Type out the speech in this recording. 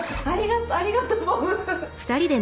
ありがとうボブ。